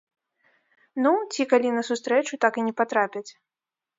Ну, ці калі на сустрэчу так і не патрапяць.